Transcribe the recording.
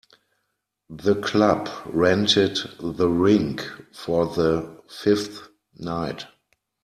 The club rented the rink for the fifth night.